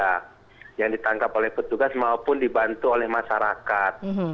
mereka semuanya sudah dikumpulkan maupun dibantu oleh masyarakat